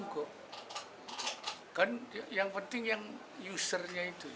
kan yang penting yang usernya itu